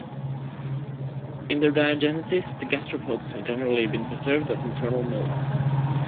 In their diagenesis the gastropods have generally been preserved as internal moulds.